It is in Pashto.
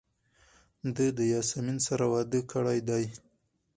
ده د یاسمین سره واده کړی دی.